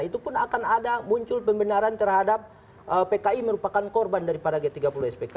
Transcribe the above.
itu pun akan ada muncul pembenaran terhadap pki merupakan korban daripada g tiga puluh spk